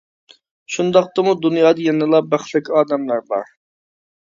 شۇنداقتىمۇ دۇنيادا يەنىلا بەختلىك ئادەملەر بار.